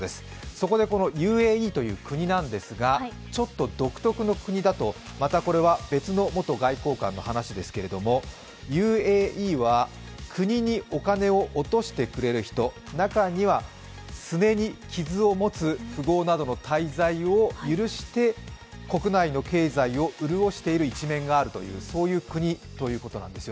そこでこのＵＡＥという国なんですがちょっと独特の国だとまたこれは別の元外交官の話ですけど、ＵＡＥは国にお金を落としてくれる人中にはすねに傷を持つ富豪などの滞在を許して国内の経済を潤している一面がある、そういう国ということなんです。